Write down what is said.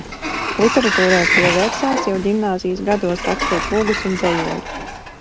Literatūrai pievērsās jau ģimnāzijas gados, rakstot lugas un dzejoļus.